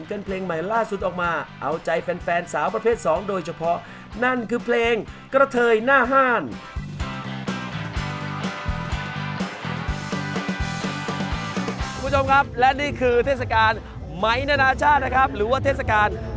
กระเทยหน้าห้าน